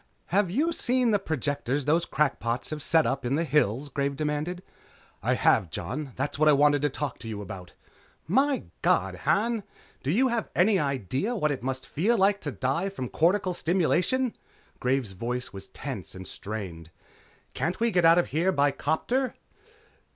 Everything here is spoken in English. "Have you seen the projectors those crackpots have set up in the hills?" Graves demanded. "I have, Jon. That's what I wanted to talk to you about." "My God, Han! Do you have any idea of what it must feel like to die from cortical stimulation?" Graves' voice was tense and strained. "Can't we get out of here by 'copter?"